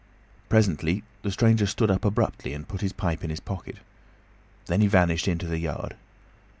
Presently the stranger stood up abruptly and put his pipe in his pocket. Then he vanished into the yard.